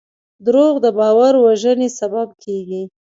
دروغ د باور د وژنې سبب کېږي.